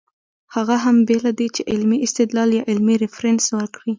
هغه هم بې له دې چې علمي استدلال يا علمي ريفرنس ورکړي